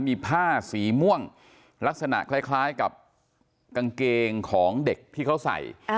มีผ้าสีม่วงลักษณะคล้ายกับกางเกงของเด็กที่เขาใส่